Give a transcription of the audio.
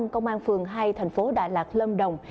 công an phường hai tp đà lạt lâm đồng